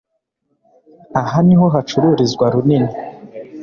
Aha niho hacururizwa runini